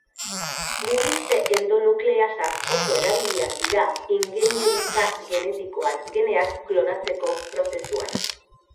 Murrizte-endonukleasak oso erabiliak dira ingeniaritza genetikoan, geneak klonatzeko prozesuan.